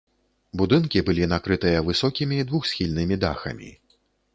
Будынкі былі накрытыя высокімі двухсхільнымі дахамі.